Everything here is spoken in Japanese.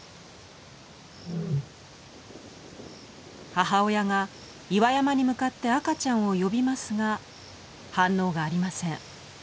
母親が岩山に向かって赤ちゃんを呼びますが反応がありません。